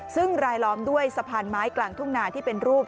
ซึ่งรายล้อมด้วยสะพานไม้กลางทุ่งนาที่เป็นรูป